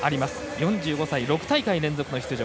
４５歳６大会連続の出場。